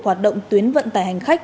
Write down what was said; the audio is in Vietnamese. hoạt động tuyến vận tải hành khách